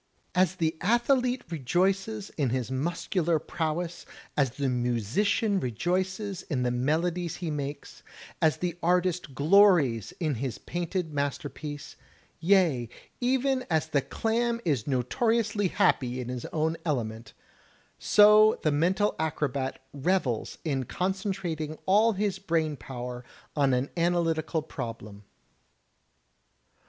As the athlete rejoices in his muscular prowess, as the musician rejoices in the melodies he makes, as the artist glories in his painted masterpiece, yea, even as the clam is notoriously happy in his own element, so the mental acrobat revels in concentrating all his brain power on an analytical problem.